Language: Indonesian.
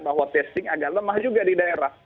bahwa testing agak lemah juga di daerah